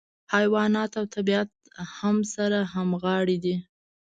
حیوانات او طبیعت هم سره همغاړي دي.